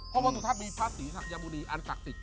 เพราะวัดสุทัศน์มีพระศรีศักยบุรีอันศักดิ์ศิษย์